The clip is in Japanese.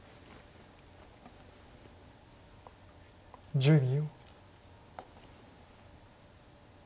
１０秒。